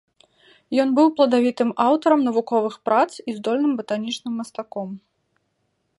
Ён быў пладавітым аўтарам навуковых прац і здольным батанічным мастаком.